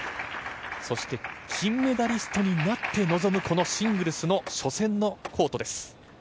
そして金メダリストになって臨む、このシングルスの初戦のコートです。